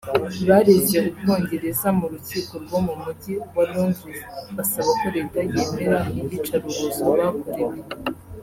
bareze u Bwongereza mu rukiko rwo mu mujyi wa Londres basaba ko Leta yemera iyicarubozo bakorewe